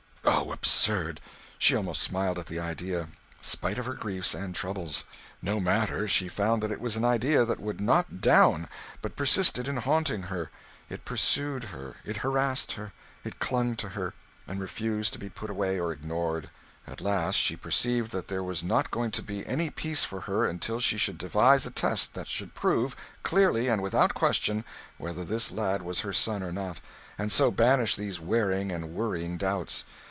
Oh, absurd! She almost smiled at the idea, spite of her griefs and troubles. No matter, she found that it was an idea that would not 'down,' but persisted in haunting her. It pursued her, it harassed her, it clung to her, and refused to be put away or ignored. At last she perceived that there was not going to be any peace for her until she should devise a test that should prove, clearly and without question, whether this lad was her son or not, and so banish these wearing and worrying doubts.